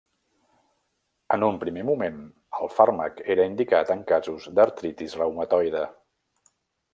En un primer moment, el fàrmac era indicat en casos d'artritis reumatoide.